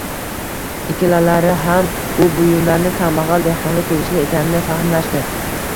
Ikkalalari ham bu buyumlar kambagʻal dehqonga tegishli ekanini fahmlashdi